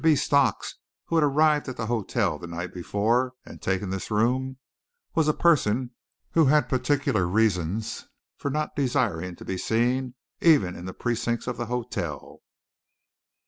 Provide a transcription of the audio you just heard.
B. Stocks, who had arrived at the hotel the night before and taken this room, was a person who had particular reasons for not desiring to be seen even in the precincts of the hotel.